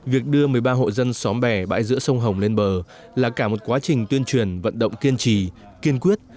việc đưa một mươi ba hộ dân xóm bè bãi giữa sông hồng lên bờ là cả một quá trình tuyên truyền vận động kiên trì kiên quyết